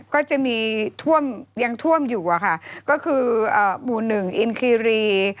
ก็จะมีท่วมยังท่วมอยู่อะค่ะก็คือหมู่หนึ่งอินคีรี